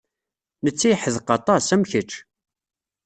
Netta yeḥdeq aṭas, am kecc.